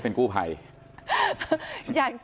เมื่อที่๔แล้ว